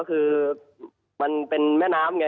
คือมันเป็นแม่น้ำไง